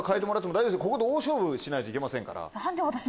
大勝負しないといけませんから。